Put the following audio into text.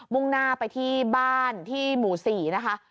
่งหน้าไปที่บ้านที่หมู่๔นะคะ